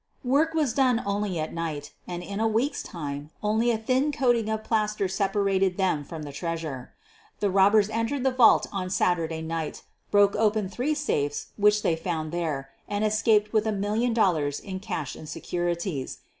Work was done only at night, and in a week's time only a thin coating of plaster sep arated them from the treasure. The robbers en tered the vault on Saturday night, broke open three safes which they found there and escaped with a million dollars in cash and securities.